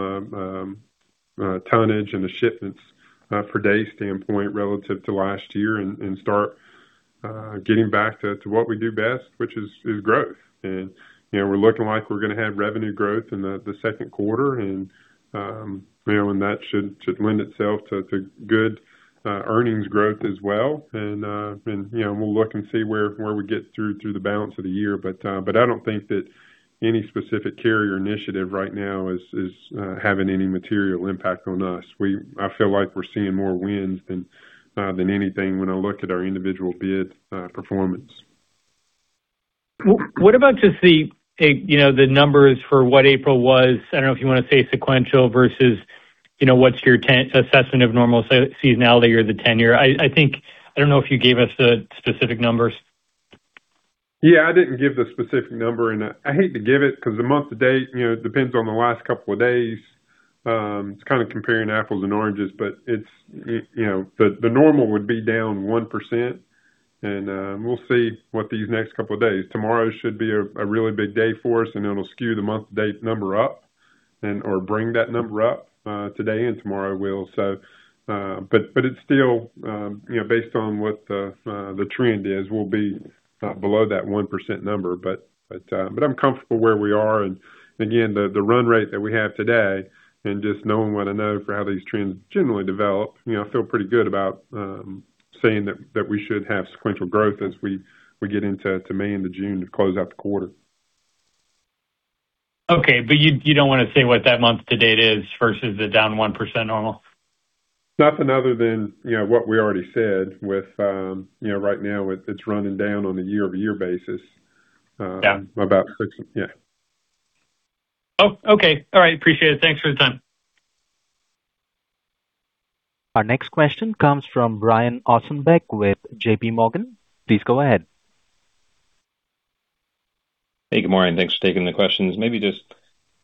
a tonnage and the shipments per day standpoint relative to last year and start getting back to what we do best, which is growth. You know, we're looking like we're gonna have revenue growth in the Q2 and you know, that should lend itself to good earnings growth as well. You know, we'll look and see where we get through the balance of the year. I don't think that any specific carrier initiative right now is having any material impact on us. I feel like we're seeing more wins than anything when I look at our individual bid performance. What about just the, you know, the numbers for what April was? I don't know if you want to say sequential versus, you know, what's your assessment of normal seasonality or the 10-year? I think I don't know if you gave us the specific numbers. Yeah, I didn't give the specific number. I hate to give it because the month to date, you know, it depends on the last couple of days. It's kind of comparing apples and oranges, but it's, you know, the normal would be down 1%. We'll see what these next couple of days. Tomorrow should be a really big day for us, and it'll skew the month to date number up or bring that number up today and tomorrow will. But it's still, you know, based on what the trend is, we'll be below that 1% number. But I'm comfortable where we are. Again, the run rate that we have today and just knowing what I know for how these trends generally develop, you know, I feel pretty good about saying that we should have sequential growth as we get into May into June to close out the quarter. Okay. You don't want to say what that month-to-date is versus the down 1% normal? Nothing other than, you know, what we already said with, you know, right now it's running down on a year-over-year basis. Yeah. About 6. Yeah. Oh, okay. All right. Appreciate it. Thanks for the time. Our next question comes from Brian Ossenbeck with J.P. Morgan. Please go ahead. Hey, good morning. Thanks for taking the questions. Maybe just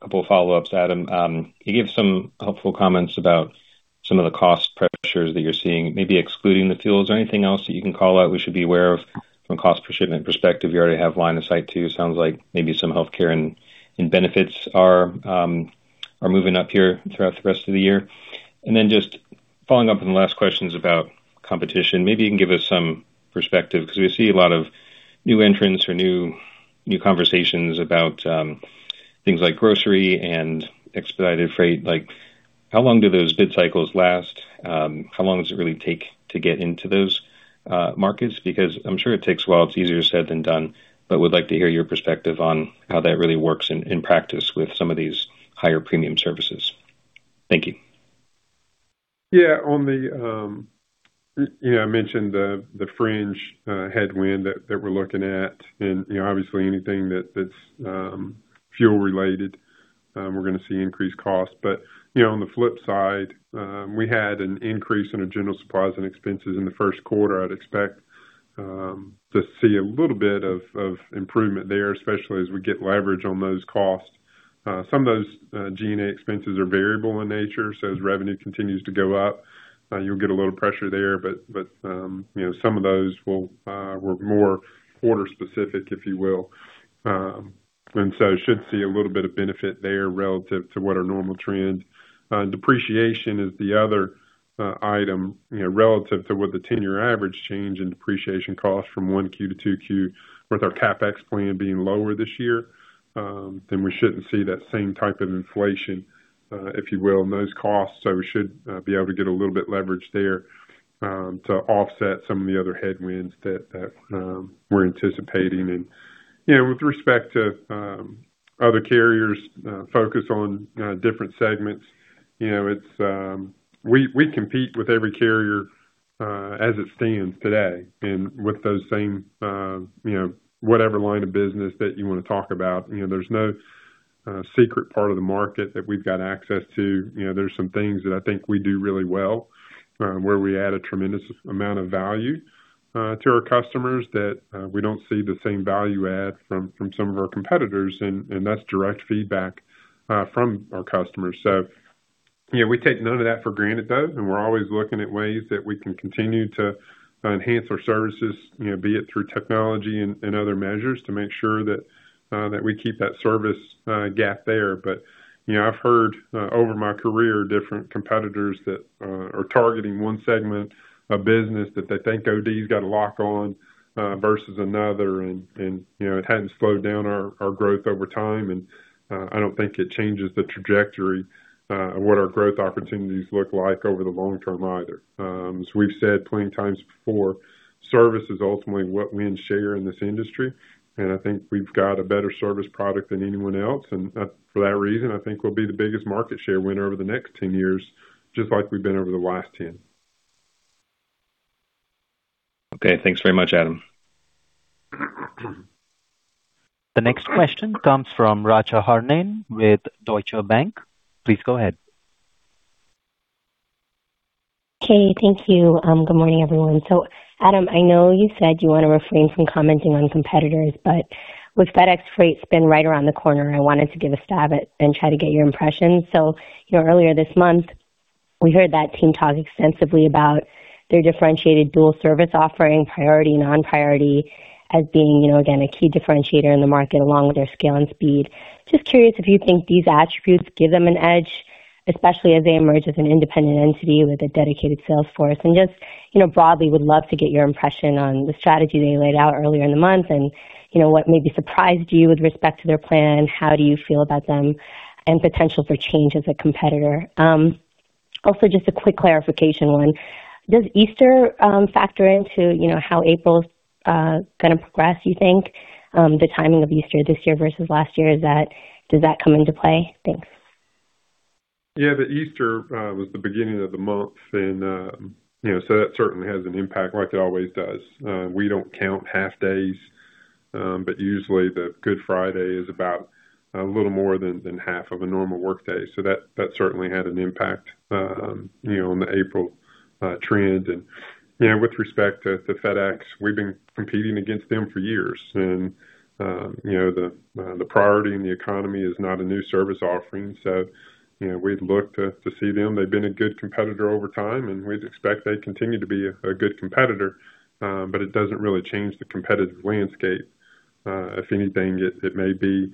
a couple follow-ups, Adam. You gave some helpful comments about some of the cost pressures that you're seeing. Maybe excluding the fuel, is there anything else that you can call out we should be aware of from a cost per shipment perspective? You already have line of sight to, sounds like maybe some healthcare and benefits are moving up here throughout the rest of the year. Just following up on the last questions about competition, maybe you can give us some perspective because we see a lot of new entrants or new conversations about things like grocery and expedited freight. How long do those bid cycles last? How long does it really take to get into those markets? I'm sure it takes a while. It's easier said than done. Would like to hear your perspective on how that really works in practice with some of these higher premium services. Thank you. Yeah. On the, you know, I mentioned the fringe headwind that we're looking at. You know, obviously anything that's fuel related, we're gonna see increased costs. You know, on the flip side, we had an increase in our general supplies and expenses in the Q1. I'd expect to see a little bit of improvement there, especially as we get leverage on those costs. Some of those G&A expenses are variable in nature, so as revenue continues to go up, you'll get a little pressure there. But, you know, some of those will were more quarter specific, if you will. Should see a little bit of benefit there relative to what our normal trends. Depreciation is the other item, you know, relative to what the 10-year average change in depreciation cost from 1Q to 2Q with our CapEx plan being lower this year, then we shouldn't see that same type of inflation, if you will, in those costs. We should be able to get a little bit leverage there to offset some of the other headwinds that we're anticipating. You know, with respect to other carriers, focus on different segments. You know, it's we compete with every carrier as it stands today and with those same, you know, whatever line of business that you wanna talk about. You know, there's no secret part of the market that we've got access to. You know, there's some things that I think we do really well, where we add a tremendous amount of value to our customers that we don't see the same value add from some of our competitors, and that's direct feedback from our customers. You know, we take none of that for granted, though, and we're always looking at ways that we can continue to enhance our services, you know, be it through technology and other measures to make sure that we keep that service gap there. You know, I've heard over my career different competitors that are targeting one segment of business that they think OD's got a lock on versus another. You know, it hadn't slowed down our growth over time, and I don't think it changes the trajectory of what our growth opportunities look like over the long term either. As we've said plenty of times before, service is ultimately what wins share in this industry, and I think we've got a better service product than anyone else. For that reason, I think we'll be the biggest market share winner over the next 10 years, just like we've been over the last 10. Okay, thanks very much, Adam. The next question comes from Richa Harnain with Deutsche Bank. Please go ahead. Okay, thank you. Good morning, everyone. Adam, I know you said you want to refrain from commenting on competitors, but with FedEx Freight spin right around the corner, I wanted to give a stab at and try to get your impression. You know, earlier this month, we heard that team talk extensively about their differentiated dual service offering, priority, non-priority, as being, you know, again, a key differentiator in the market along with their scale and speed. Just curious if you think these attributes give them an edge, especially as they emerge as an independent entity with a dedicated sales force. Just, you know, broadly, would love to get your impression on the strategy they laid out earlier in the month and, you know, what maybe surprised you with respect to their plan. How do you feel about them and potential for change as a competitor? Also, just a quick clarification one. Does Easter factor into, you know, how April's gonna progress, you think? The timing of Easter this year versus last year, is that does that come into play? Thanks. Yeah. Easter was the beginning of the month and, you know, that certainly has an impact, like it always does. We don't count half days, but usually Good Friday is about a little more than half of a normal workday. That certainly had an impact, you know, on the April trend. You know, with respect to FedEx, we've been competing against them for years. You know, the priority in the economy is not a new service offering. You know, we'd look to see them. They've been a good competitor over time, and we'd expect they continue to be a good competitor. It doesn't really change the competitive landscape. If anything, it may be,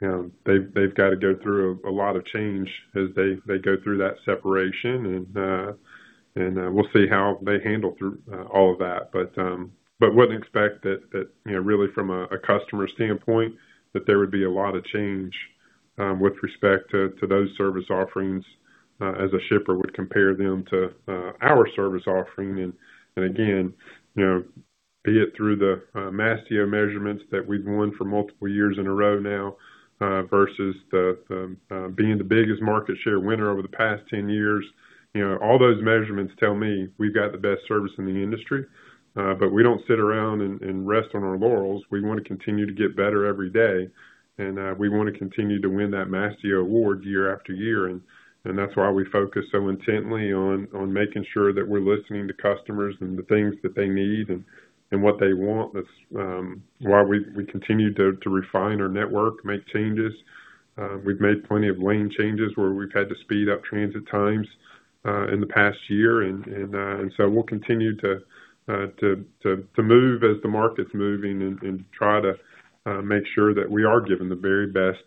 you know, they've got to go through a lot of change as they go through that separation. We'll see how they handle through all of that. Wouldn't expect that, you know, really from a customer standpoint, that there would be a lot of change with respect to those service offerings as a shipper would compare them to our service offering. Again, you know, be it through the Mastio measurements that we've won for multiple years in a row now, versus the, being the biggest market share winner over the past 10 years. You know, all those measurements tell me we've got the best service in the industry. We don't sit around and rest on our laurels. We wanna continue to get better every day, and we wanna continue to win that Mastio award year after year. That's why we focus so intently on making sure that we're listening to customers and the things that they need and what they want. That's why we continue to refine our network, make changes. We've made plenty of lane changes where we've had to speed up transit times in the past year. We'll continue to move as the market's moving and try to make sure that we are giving the very best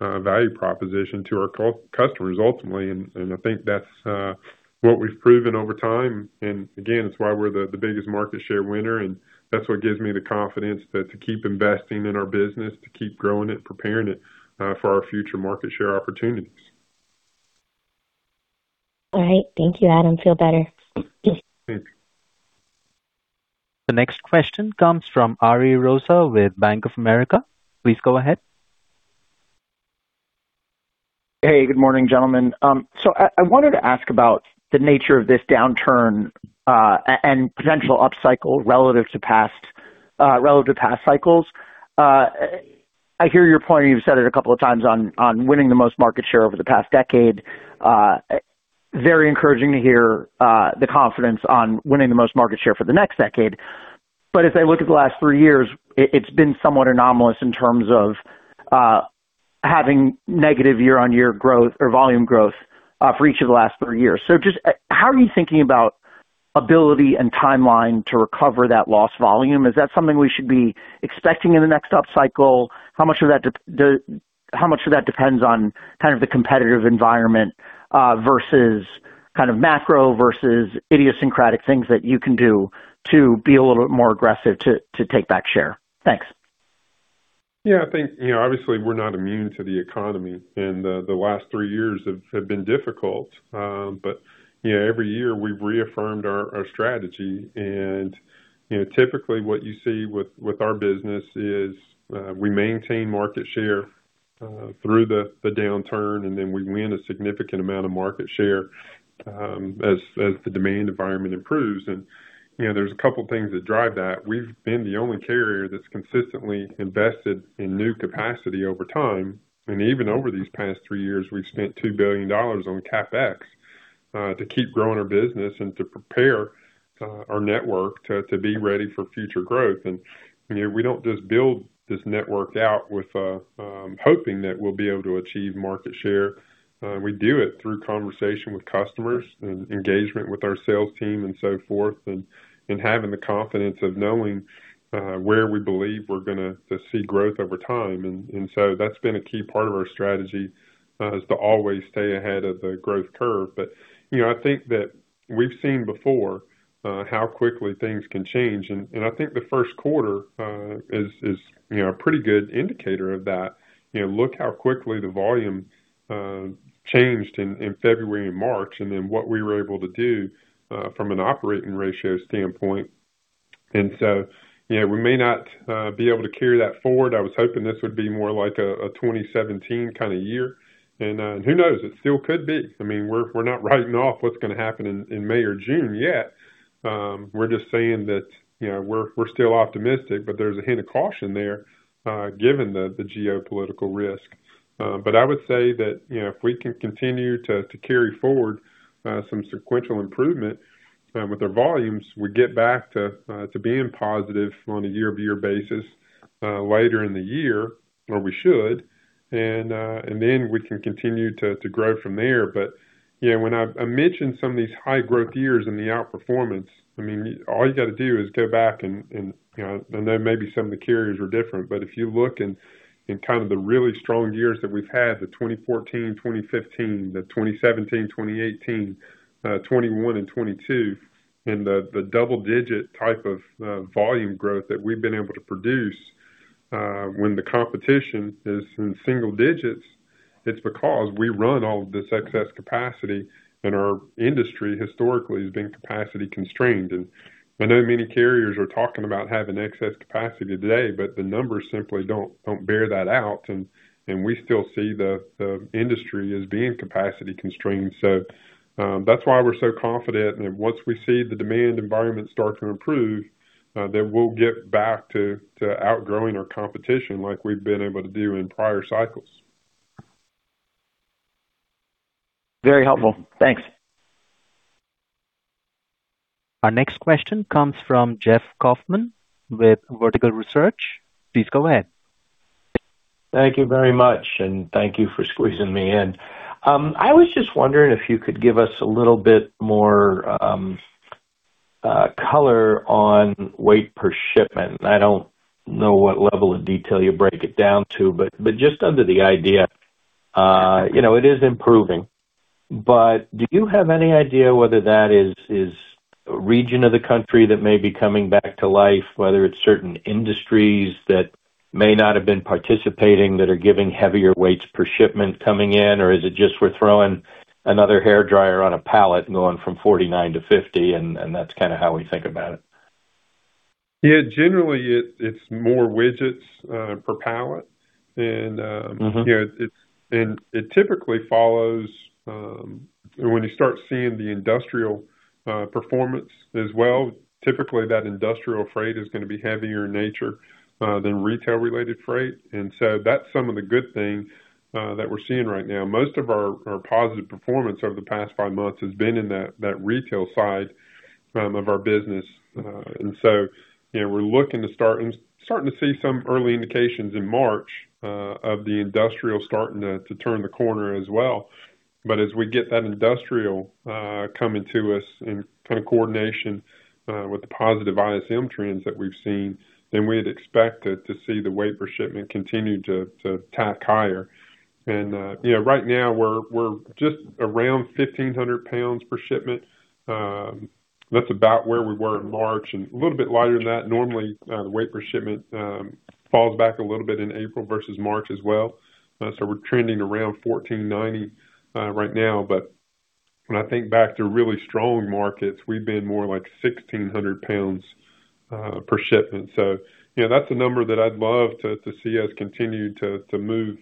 value proposition to our customers ultimately. I think that's what we've proven over time. Again, it's why we're the biggest market share winner, and that's what gives me the confidence that to keep investing in our business, to keep growing it, preparing it for our future market share opportunities. All right. Thank you, Adam. Feel better. Thank you. The next question comes from Ari Rosa with Bank of America. Please go ahead. Good morning, gentlemen. I wanted to ask about the nature of this downturn and potential upcycle relative to past cycles. I hear your point, you've said it a couple of times on winning the most market share over the past decade. Very encouraging to hear the confidence on winning the most market share for the next decade. As I look at the last 3 years, it's been somewhat anomalous in terms of having negative year-over-year growth or volume growth for each of the last 3 years. Just how are you thinking about ability and timeline to recover that lost volume? Is that something we should be expecting in the next up cycle? How much of that depends on kind of the competitive environment versus kind of macro versus idiosyncratic things that you can do to be a little bit more aggressive to take back share? Thanks. Yeah, I think, you know, obviously we're not immune to the economy and the last three years have been difficult. You know, every year we've reaffirmed our strategy. You know, typically what you see with our business is we maintain market share through the downturn, and then we win a significant amount of market share as the demand environment improves. You know, there's a couple things that drive that. We've been the only carrier that's consistently invested in new capacity over time. Even over these past three years, we've spent $2 billion on CapEx to keep growing our business and to prepare our network to be ready for future growth. You know, we don't just build this network out with hoping that we'll be able to achieve market share. We do it through conversation with customers and engagement with our sales team and so forth, having the confidence of knowing where we believe we're gonna see growth over time. That's been a key part of our strategy is to always stay ahead of the growth curve. You know, I think that we've seen before how quickly things can change. I think the Q1 is, you know, a pretty good indicator of that. You know, look how quickly the volume changed in February and March, and then what we were able to do from an operating ratio standpoint. You know, we may not be able to carry that forward. I was hoping this would be more like a 2017 kinda year. Who knows? It still could be. I mean, we're not writing off what's gonna happen in May or June yet. We're just saying that, you know, we're still optimistic, but there's a hint of caution there, given the geopolitical risk. I would say that, you know, if we can continue to carry forward, some sequential improvement, with our volumes, we get back to being positive on a year-over-year basis, later in the year, or we should. Then we can continue to grow from there. You know, when I mentioned some of these high growth years and the outperformance, I mean, all you gotta do is go back and, you know, I know maybe some of the carriers were different. If you look in kind of the really strong years that we've had, the 2014, 2015, the 2017, 2018, 2021 and 2022, and the double-digit type of volume growth that we've been able to produce, when the competition is in single digits, it's because we run all of this excess capacity and our industry historically has been capacity constrained. I know many carriers are talking about having excess capacity today, but the numbers simply don't bear that out. We still see the industry as being capacity constrained. That's why we're so confident. Once we see the demand environment start to improve, then we'll get back to outgrowing our competition like we've been able to do in prior cycles. Very helpful. Thanks. Our next question comes from Jeff Kauffman with Vertical Research. Please go ahead. Thank you very much, and thank you for squeezing me in. I was just wondering if you could give us a little bit more color on weight per shipment. I don't know what level of detail you break it down to, just under the idea, you know, it is improving. Do you have any idea whether that is a region of the country that may be coming back to life, whether it's certain industries that may not have been participating that are giving heavier weights per shipment coming in, or is it just we're throwing 1 hairdryer on a pallet and going from 49 to 50, and that's kinda how we think about it? Yeah, generally it's more widgets per pallet. Mm-hmm It's, and it typically follows when you start seeing the industrial performance as well. Typically that industrial freight is going to be heavier in nature than retail related freight. That's some of the good things that we're seeing right now. Most of our positive performance over the past five months has been in that retail side of our business. You know, we're looking to start and starting to see some early indications in March of the industrial starting to turn the corner as well. As we get that industrial coming to us in kind of coordination with the positive ISM trends that we've seen, then we'd expect to see the weight per shipment continue to tack higher. You know, right now we're just around 1,500 pounds per shipment. That's about where we were in March and a little bit lighter than that. Normally, the weight per shipment falls back a little bit in April versus March as well. We're trending around 1,490 right now. When I think back to really strong markets, we've been more like 1,600 pounds per shipment. You know, that's a number that I'd love to see us continue to move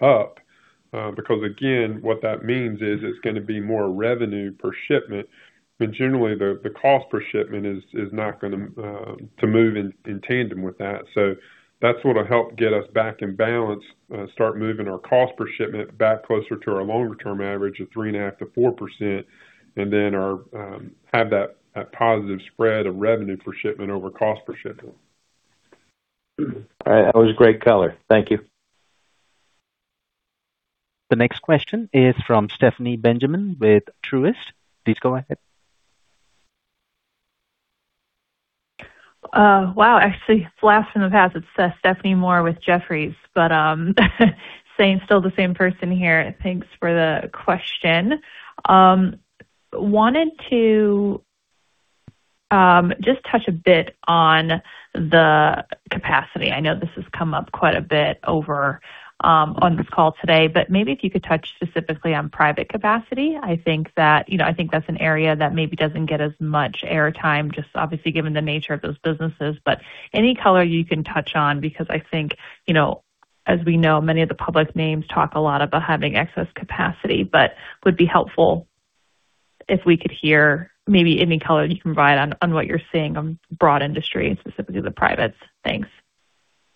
up. Because again, what that means is it's gonna be more revenue per shipment, but generally the cost per shipment is not gonna move in tandem with that. That's what'll help get us back in balance, start moving our cost per shipment back closer to our longer term average of three and a half % to 4%, have that positive spread of revenue per shipment over cost per shipment. All right. That was a great color. Thank you. The next question is from Stephanie Benjamin with Truist. Please go ahead. Wow. Actually, it's last in the past. It's Stephanie Moore with Jefferies. Still the same person here. Thanks for the question. Wanted to just touch a bit on the capacity. I know this has come up quite a bit over on this call today. Maybe if you could touch specifically on private capacity. I think that. You know, I think that's an area that maybe doesn't get as much airtime, just obviously given the nature of those businesses. Any color you can touch on because I think, you know, as we know, many of the public names talk a lot about having excess capacity, but would be helpful if we could hear maybe any color you can provide on what you're seeing on broad industry and specifically the privates.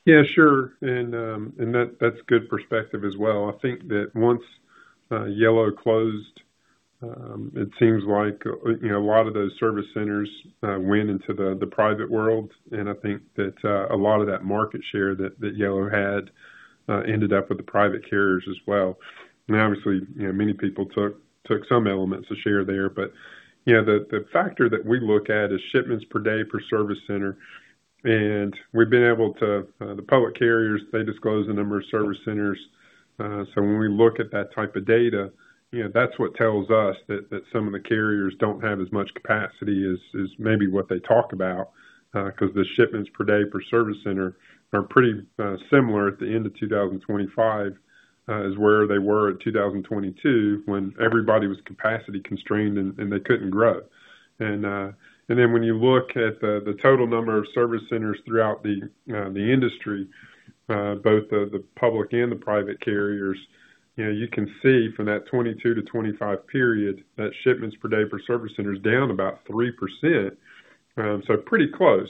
Thanks. Yeah, sure. That, that's good perspective as well. I think that once Yellow closed, it seems like, you know, a lot of those service centers went into the private world. I think that a lot of that market share that Yellow had ended up with the private carriers as well. Obviously, you know, many people took some elements to share there. You know, the factor that we look at is shipments per day per service center. We've been able to, the public carriers, they disclose the number of service centers. When we look at that type of data, you know, that's what tells us that some of the carriers don't have as much capacity as maybe what they talk about, 'cause the shipments per day per service center are pretty similar at the end of 2025, as where they were at 2022 when everybody was capacity constrained and they couldn't grow. When you look at the total number of service centers throughout the industry, both the public and the private carriers, you know, you can see from that 22 to 25 period that shipments per day per service center is down about 3%. Pretty close.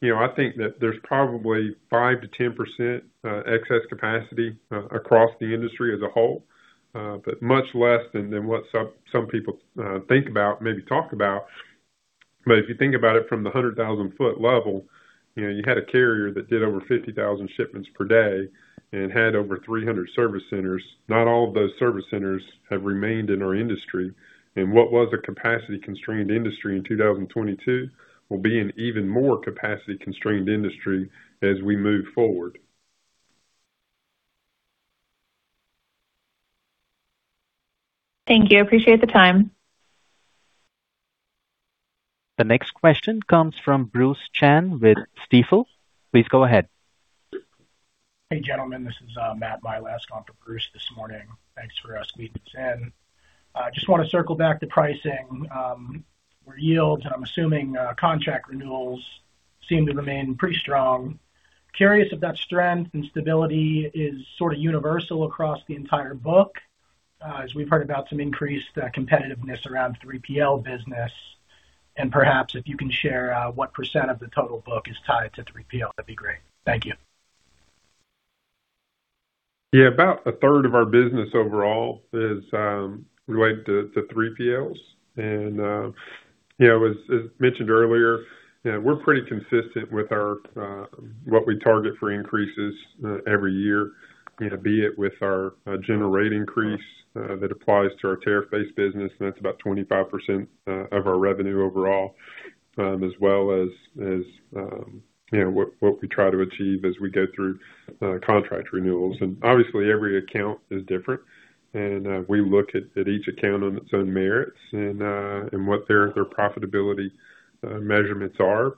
You know, I think that there's probably 5%-10% excess capacity across the industry as a whole, but much less than what some people think about, maybe talk about. If you think about it from the 100,000-foot level, you know, you had a carrier that did over 50,000 shipments per day and had over 300 service centers. Not all of those service centers have remained in our industry. What was a capacity constrained industry in 2022 will be an even more capacity constrained industry as we move forward. Thank you. I appreciate the time. The next question comes from Bruce Chan with Stifel. Please go ahead. Hey, gentlemen, this is Matt Milas, comp to Bruce this morning. Thanks for squeezing us in. Just wanna circle back to pricing or yields. I'm assuming contract renewals seem to remain pretty strong. Curious if that strength and stability is sort of universal across the entire book, as we've heard about some increased competitiveness around 3PL business. Perhaps if you can share what percent of the total book is tied to 3PL, that'd be great. Thank you. Yeah. About a third of our business overall is related to 3PLs. You know, as mentioned earlier, you know, we're pretty consistent with our what we target for increases every year, you know, be it with our general rate increase that applies to our tariff-based business, and that's about 25% of our revenue overall, as well as, you know, what we try to achieve as we go through contract renewals. Obviously every account is different and we look at each account on its own merits and what their profitability measurements are.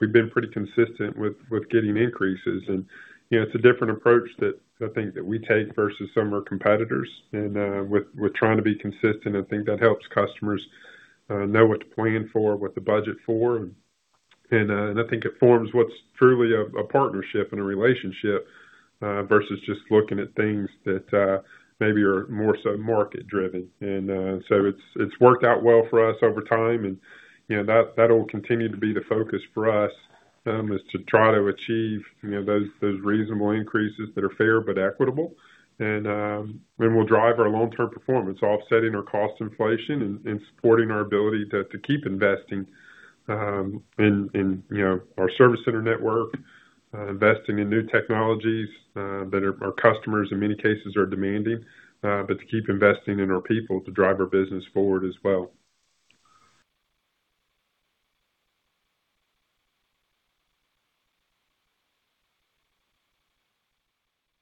We've been pretty consistent with getting increases and, you know, it's a different approach that I think that we take versus some of our competitors. We're trying to be consistent and think that helps customers know what to plan for, what to budget for. I think it forms what's truly a partnership and a relationship versus just looking at things that maybe are more so market driven. It's worked out well for us over time. You know, that'll continue to be the focus for us, is to try to achieve, you know, those reasonable increases that are fair but equitable. We'll drive our long-term performance, offsetting our cost inflation and supporting our ability to keep investing in, you know, our service center network. Investing in new technologies that our customers in many cases are demanding. To keep investing in our people to drive our business forward as well.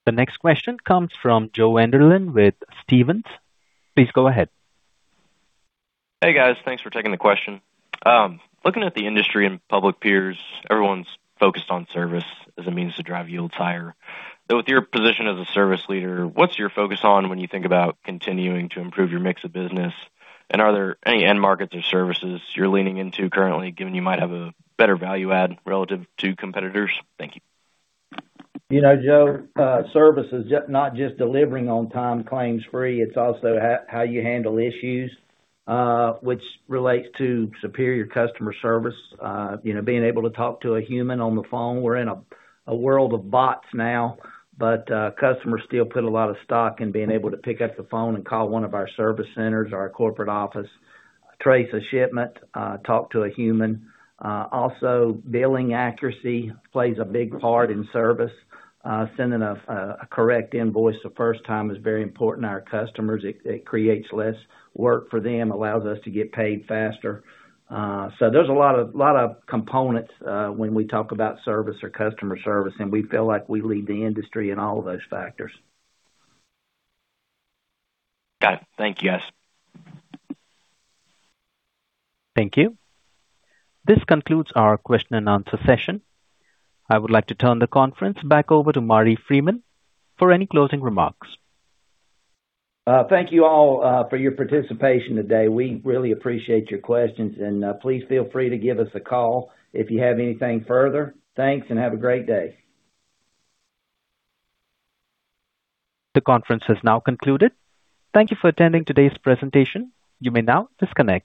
The next question comes from Joe Enderlin with Stephens. Please go ahead. Hey, guys. Thanks for taking the question. Looking at the industry and public peers, everyone's focused on service as a means to drive yields higher. With your position as a service leader, what's your focus on when you think about continuing to improve your mix of business? Are there any end markets or services you're leaning into currently, given you might have a better value add relative to competitors? Thank you. You know, Joe, service is not just delivering on-time claims free, it's also how you handle issues, which relates to superior customer service. You know, being able to talk to a human on the phone. We're in a world of bots now, but customers still put a lot of stock in being able to pick up the phone and call one of our service centers or our corporate office, trace a shipment, talk to a human. Also billing accuracy plays a big part in service. Sending a correct invoice the first time is very important to our customers. It creates less work for them, allows us to get paid faster. There's a lot of components when we talk about service or customer service, and we feel like we lead the industry in all of those factors. Got it. Thank you, guys. Thank you. This concludes our question and answer session. I would like to turn the conference back over to Marty Freeman for any closing remarks. Thank you all for your participation today. We really appreciate your questions. Please feel free to give us a call if you have anything further. Thanks and have a great day. The conference has now concluded. Thank you for attending today's presentation. You may now disconnect.